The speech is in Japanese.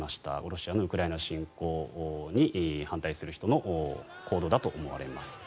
ロシアのウクライナ侵攻に反対する人の行動だと思われます。